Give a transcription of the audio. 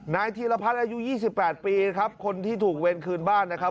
ธีรพัฒน์อายุ๒๘ปีครับคนที่ถูกเวรคืนบ้านนะครับ